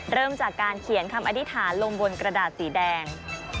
เริ่มจากการเขียนคำอธิษฐานลงบนกระดาษสีแดง